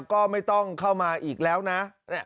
ก็ไม่ต้องเข้ามาอีกแล้วนะ